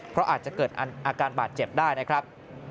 เพราะอาจจะเกิดอาการบาดเจ็บได้นะครับ